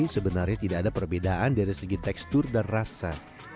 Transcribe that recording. sebenarnya tidak ada perbedaan dari segi tekstur dan rasa